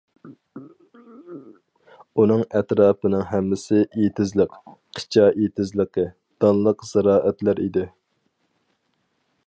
ئۇنىڭ ئەتراپىنىڭ ھەممىسى ئېتىزلىق، قىچا ئېتىزلىقى، دانلىق زىرائەتلەر ئىدى.